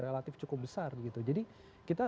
relatif cukup besar gitu jadi kita